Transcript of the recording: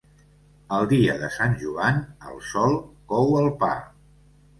El dia de Sant Joan el sol cou el pa.